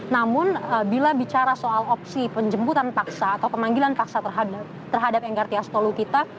namun bila bicara soal opsi penjemputan paksa atau pemanggilan paksa terhadap enggartia stolokita